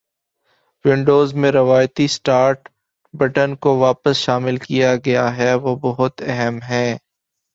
Windows میں روایتی start button کو واپس شامل کیا گیا ہے وہ بہت أہم ہیں